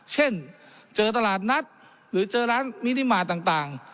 เช่นเจอตลาดนัดหรือเจอร้านมินิมาตรต่าง